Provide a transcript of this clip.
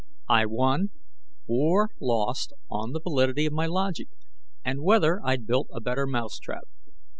I won or lost on the validity of my logic and whether I'd built a better mousetrap.